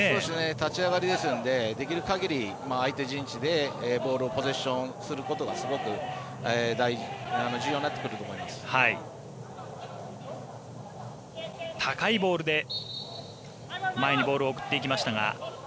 立ち上がりですのでできるかぎり相手陣地でボールをポゼッションすることがすごく重要になってくると高いボールで前にボールを送っていきましたが。